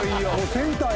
センター。